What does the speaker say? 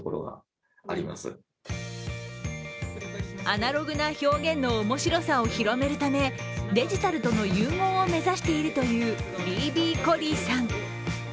アナログな表現の面白さを広げるためデジタルとの融合を目指しているというＢＢコリーさん。